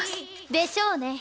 でしょうね。